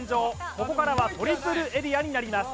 ここからはトリプルエリアになります